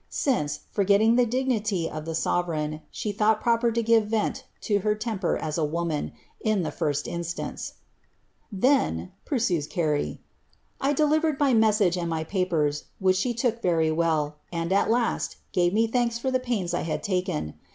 since, forgetting the dignity of the sovereign, she thoughl per to give vent to her temper as a woman, in the first insi ••Then," pursues Carey,"! delivered mv messiig'e and my papers, » she took very well, and, al last, gave me thanks for ihe pains 1 taken.